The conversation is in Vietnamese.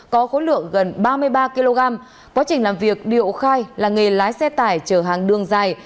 có khối lượng gần ba mươi ba kg quá trình làm việc điệu khai là nghề lái xe tải chở hàng đường dài